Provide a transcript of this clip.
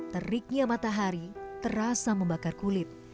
teriknya matahari terasa membakar kulit